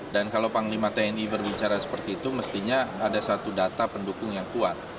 dan kalau panglima tni berbicara seperti itu mestinya ada satu data pendukung yang kuat